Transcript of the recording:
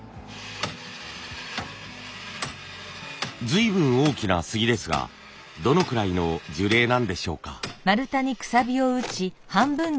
随分大きな杉ですがどのくらいの樹齢なんでしょうか？